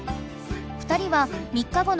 ２人は３日後の道